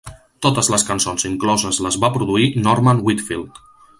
Totes les cançons incloses les va produir Norman Whitfield.